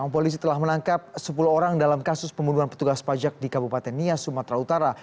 polisi telah menangkap sepuluh orang dalam kasus pembunuhan petugas pajak di kabupaten nia sumatera utara